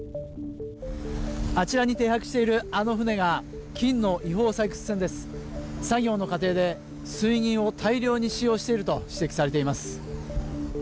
あちらに停泊しているあの船が金の違法採掘船です作業の過程で水銀を大量に使用していると指摘されています